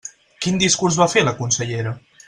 Quin discurs va fer la consellera?